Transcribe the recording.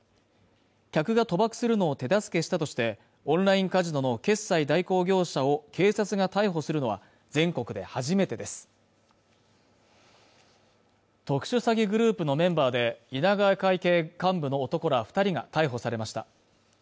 客が賭博するのを手助けしたとしてオンラインカジノの決済代行業者を警察が逮捕するのは全国で初めてです特殊詐欺グループのメンバーで稲川会系幹部の男ら二人が逮捕されました